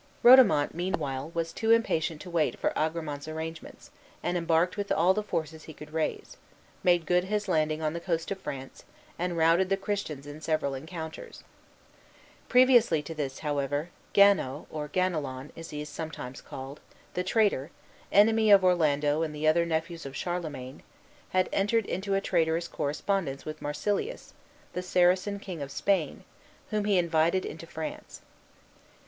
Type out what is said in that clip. Rodomont, meanwhile, was too impatient to wait for Agramant's arrangements, and embarked with all the forces he could raise, made good his landing on the coast of France, and routed the Christians in several encounters. Previously to this, however, Gano, or Ganelon (as he is sometimes called), the traitor, enemy of Orlando and the other nephews of Charlemagne, had entered into a traitorous correspondence with Marsilius, the Saracen king of Spain, whom he invited into France.